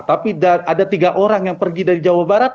tapi ada tiga orang yang pergi dari jawa barat